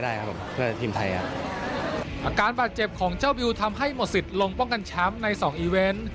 อาการบาดเจ็บของเจ้าบิวทำให้หมดสิทธิ์ลงป้องกันแชมป์ใน๒อีเวนต์